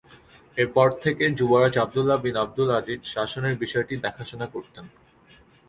এরপর থেকে যুবরাজ আবদুল্লাহ বিন আবদুল আজিজ শাসনের বিষয়াদি দেখাশোনা করতেন।